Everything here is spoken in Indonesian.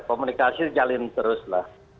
komunikasi jalin terus lah